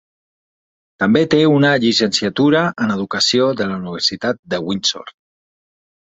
També té una llicenciatura en Educació de la Universitat de Windsor.